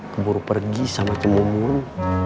keburu pergi sama cemumun